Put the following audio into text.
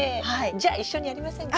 じゃ一緒にやりませんか？